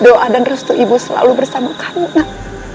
doa dan restu ibu selalu bersamakanmu nak